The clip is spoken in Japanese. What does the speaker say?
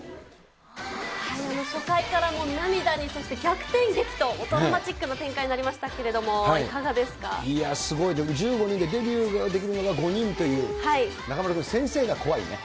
初回からもう涙に、そして逆転劇とドラマチックな展開になりましたけれども、いかがいや、すごい、でも１５人でデビューできるのが５人という、中丸君、先生が怖いね。